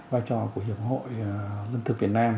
vai trò của hiệp hội lương thực việt nam